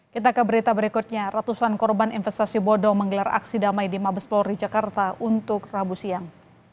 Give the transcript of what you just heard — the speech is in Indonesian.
kita ke berita berikutnya ratusan korban investasi bodoh menggelar aksi damai di mabes polri jakarta untuk rabu siang